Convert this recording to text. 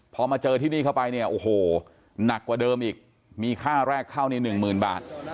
พอมาเจอที่นี่เข้าไปเนี่ยโอ้โหหนักกว่าเดิมอีกมีค่าแรกเข้าในหนึ่งหมื่นบาท